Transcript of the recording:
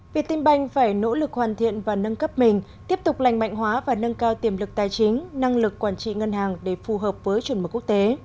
việt tinh banh phải nỗ lực hoàn thiện và nâng cấp mình tiếp tục lành mạnh hóa và nâng cao tiềm lực tài chính năng lực quản trị ngân hàng để phù hợp với chuẩn mực quốc tế